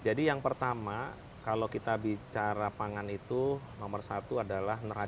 jadi yang pertama kalau kita bicara pangan itu nomor satu adalah neraca